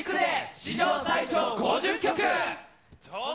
史上最長５０曲。